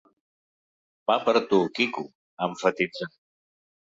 “Va per a tu, Quico”, ha emfatitzat.